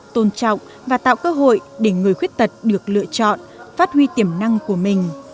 tôn trọng và tạo cơ hội để người khuyết tật được lựa chọn phát huy tiềm năng của mình